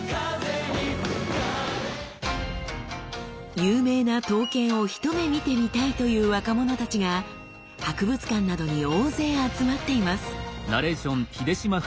有名な刀剣を一目見てみたいという若者たちが博物館などに大勢集まっています。